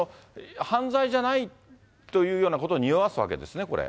犯罪じゃないというようなことをにおわすわけですね。